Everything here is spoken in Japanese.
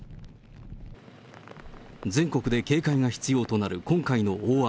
全国で警戒が必要となる今回の大雨。